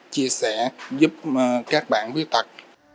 chia sẻ giúp các bạn khuyết tạc